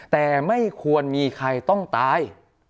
แต่ไม่ควรมีใครต้องตาย